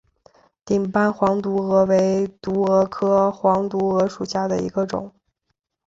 顶斑黄毒蛾为毒蛾科黄毒蛾属下的一个种。